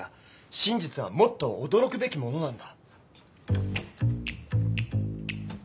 真実はもっと驚くべきものなんだ。